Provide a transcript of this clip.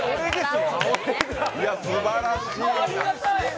すばらしいな。